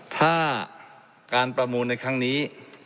ถ้าการประมูลในครั้งนี้